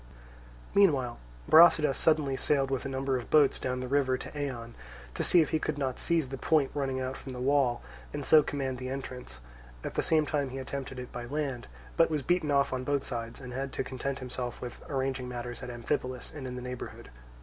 Meanwhile Brasidas suddenly sailed with a number of boats down the river to Eion to see if he could not seize the point running out from the wall, and so command the entrance; at the same time he attempted it by land, but was beaten off on both sides and had to content himself with arranging matters at Amphipolis and in the neighbourhood.